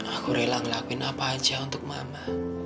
aku rela ngelakuin apa aja untuk mama